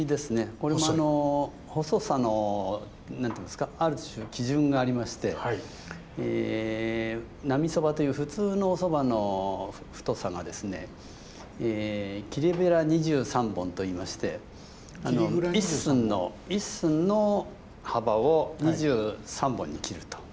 これもあの細さの何ていうんですかある種基準がありまして「並蕎麦」という普通のお蕎麦の太さがですね切りべら二十三本といいまして一寸の一寸の幅を２３本に切ると。